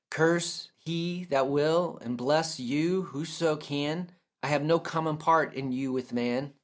Curse he that will and bless you whoso can, I have no common part in you with man.